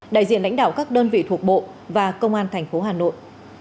đại diện lãnh đạo các đơn vị thuộc bộ và công an thành phố hà nội